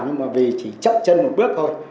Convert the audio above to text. nhưng mà vì chỉ chấp chân một bước thôi